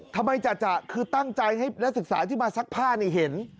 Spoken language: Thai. ทำไมจ่ะคือตั้งใจให้นักศึกษาที่มาซักผ้าเห็น